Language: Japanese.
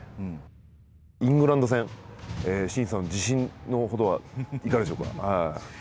イングランド戦慎さん、自信のほどはいかがでしょうか。